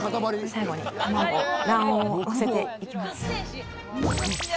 最後に卵、卵黄をのせていきます。